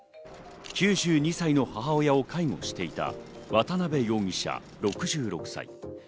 ９２歳の母親を介護していた渡辺容疑者、６６歳。